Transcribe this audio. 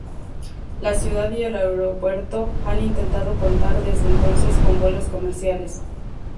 La ciudad y el aeropuerto han intentado contar desde entonces con vuelos comerciales.